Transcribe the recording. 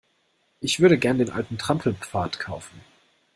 Ich würde gerne den alten Trampelpfad kaufen.